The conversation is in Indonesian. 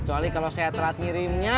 kecuali kalau saya telat ngirimnya